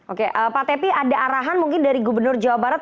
oke pak tepi ada arahan mungkin dari gubernur jawa barat